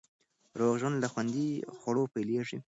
روغ ژوند له خوندي خوړو پیلېږي.